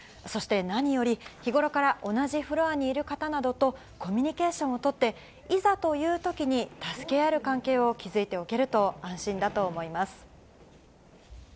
そして、何より日頃から同じフロアにいる方などとコミュニケーションを取って、いざというときに助け合える関係を築いておけると安心だと思いま